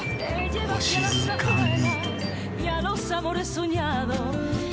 お静かに。